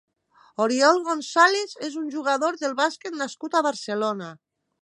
Oriol González és un jugador de bàsquet nascut a Barcelona.